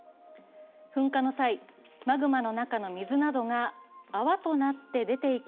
噴火の際、マグマの中の水などが泡となって出ていき